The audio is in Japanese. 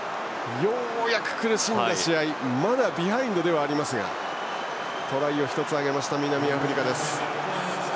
ようやく苦しんだ試合まだビハインドではありますがトライを１つ挙げました南アフリカです。